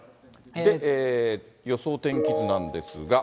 予想天気図なんですが。